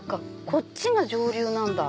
こっちが上流なんだ。